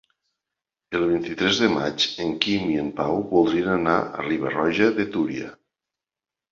El vint-i-tres de maig en Quim i en Pau voldrien anar a Riba-roja de Túria.